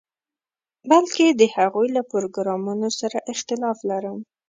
بلکې د هغوی له پروګرامونو سره اختلاف لرم.